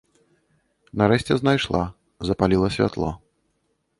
Нарэшце знайшла, запаліла святло.